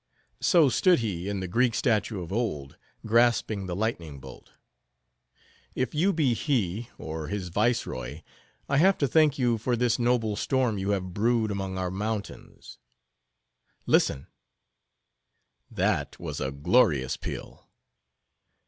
So stood he in the Greek statue of old, grasping the lightning bolt. If you be he, or his viceroy, I have to thank you for this noble storm you have brewed among our mountains. Listen: That was a glorious peal.